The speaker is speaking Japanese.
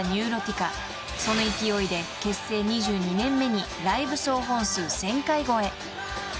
［その勢いで結成２２年目にライブ総本数１，０００回超え］